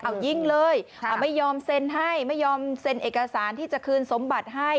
เอายิงเลยไม่ยอมเซ็นให้ไม่ยอมเซ็นเอกสารที่จะคืนสมบัติให้